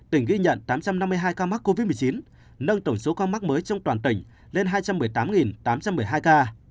tỉnh ghi nhận tám trăm năm mươi hai ca mắc covid một mươi chín nâng tổng số ca mắc mới trong toàn tỉnh lên hai trăm một mươi tám tám trăm một mươi hai ca